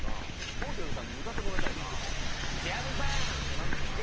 郷ひろみさんに歌ってもらいたいなあ。とかなんのかなあ。